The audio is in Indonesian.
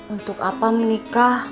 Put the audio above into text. untuk apa menikah